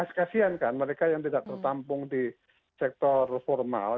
kasian kan mereka yang tidak tertampung di sektor formal